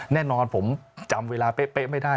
แน่นอนผมจำเวลาเป๊ะไม่ได้